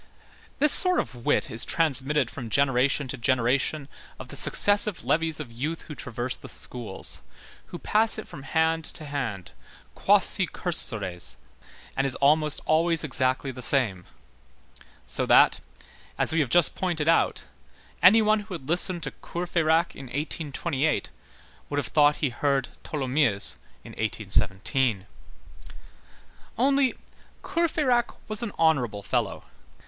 This sort of wit is transmitted from generation to generation of the successive levies of youth who traverse the schools, who pass it from hand to hand, quasi cursores, and is almost always exactly the same; so that, as we have just pointed out, any one who had listened to Courfeyrac in 1828 would have thought he heard Tholomyès in 1817. Only, Courfeyrac was an honorable fellow.